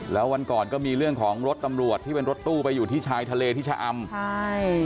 แล้ววันก่อนก็มีเรื่องของรถตำรวจที่เป็นรถตู้ไปอยู่ที่ชายทะเลที่ชะอำใช่